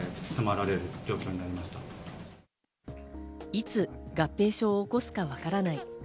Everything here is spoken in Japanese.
いつ合併症を起こすかわからない。